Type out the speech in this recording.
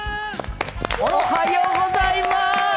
おはようございます。